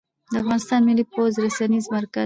د افغانستان ملى پوځ رسنيز مرکز